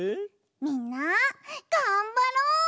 みんながんばろう！